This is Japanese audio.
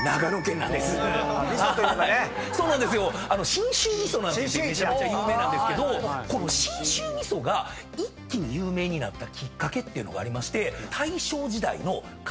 信州味噌なんてめちゃめちゃ有名なんですけどこの信州味噌が一気に有名になったきっかけっていうのがありまして。